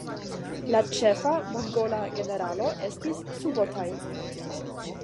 La ĉefa mongola generalo estis Subotai.